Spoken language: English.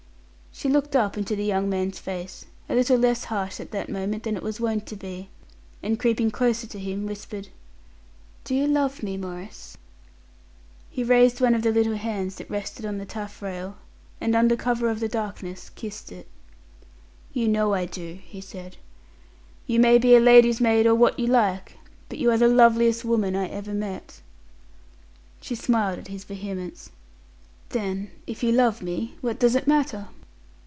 She looked up into the young man's face a little less harsh at that moment than it was wont to be and creeping closer to him, whispered "Do you love me, Maurice?" He raised one of the little hands that rested on the taffrail, and, under cover of the darkness, kissed it. "You know I do," he said. "You may be a lady's maid or what you like, but you are the loveliest woman I ever met." She smiled at his vehemence. "Then, if you love me, what does it matter?"